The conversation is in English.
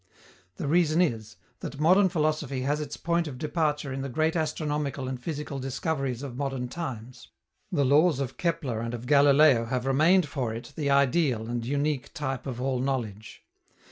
The reason is, that modern philosophy has its point of departure in the great astronomical and physical discoveries of modern times. The laws of Kepler and of Galileo have remained for it the ideal and unique type of all knowledge.